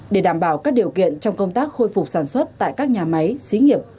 để đảm bảo các điều kiện trong công tác khôi phục sản xuất tại các nhà máy xí nghiệp